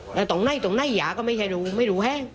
แต่ตรงไหนตรงไหนย่าก็ไม่รู้ไม่รู้แห้ง